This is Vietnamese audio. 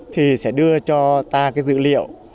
thì sẽ đưa cho ta dữ liệu